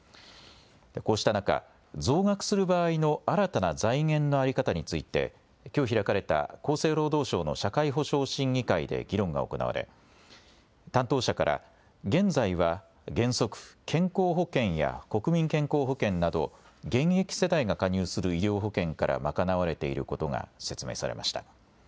こうした中、増額する場合の新たな財源の在り方についてきょう開かれた厚生労働省の社会保障審議会で議論が行われ担当者から現在は原則、健康保険や国民健康保険など現役世代が加入する医療保険から賄われていることが説明されました。